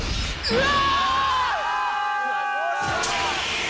うわ！